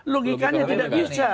logikanya tidak bisa